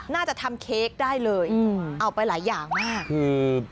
น่าจะทำเค้กได้เลยเอาไปหลายอย่างมากคือ